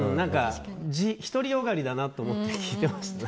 独りよがりだなと思って聞いてました。